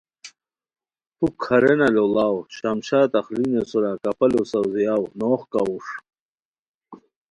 پُھک ہارینہ لوڑاؤ شمشاد اخلینیو سورا کپالوساؤزیاؤ نوغ کاؤݰ